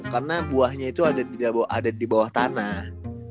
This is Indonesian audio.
karena buahnya itu ada di bawah tanah